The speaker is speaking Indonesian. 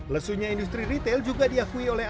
lesunya industri retail juga diakui oleh